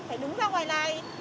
phải đứng ra ngoài này